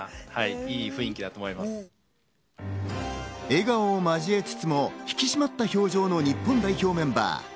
笑顔を交えつつも引き締まった表情の日本代表メンバー。